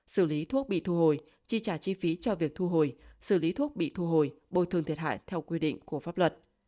xử lý thuốc bị thu hồi chi trả chi phí cho việc thu hồi xử lý thuốc bị thu hồi bồi thường thiệt hại theo quy định của pháp luật